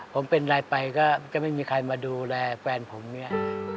ผมเป็นไรไปก็ไม่มีใครมาดูแลแฟนผมเนี่ย